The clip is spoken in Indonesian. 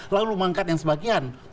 lalu mengangkat yang sebagian